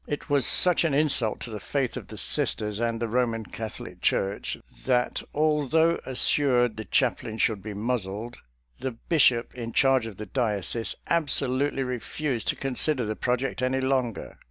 It was such an insult to the faith of the Sisters and the Eoman Catholic Church, that although assured the chaplain should be muzzled, the bishop in charge of the diocese absolutely refused to con sider the project any longer.